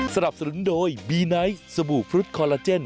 สนับสนุนโดยบีไนท์สบู่ฟรุตคอลลาเจน